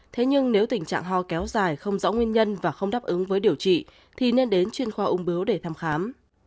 thế nhưng nếu tình trạng ho kéo dài không rõ nguyên nhân và không đáp ứng với điều trị thì nên đến chuyên khoa ung bứu để thăm khám